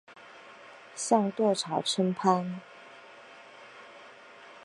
向隋朝称藩。